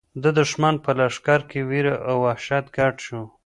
د دښمن په لښکر کې وېره او وحشت ګډ شو.